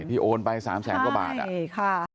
ที่โอนไปสามแสนกว่าบาท